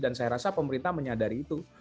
dan saya rasa pemerintah menyadari itu